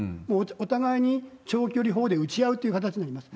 お互いに長距離砲で撃ち合うっていう形になります。